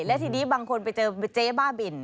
และทีนี้บางคนไปเจอเจ๊บ้าบิน